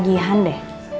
ini lagi ya hande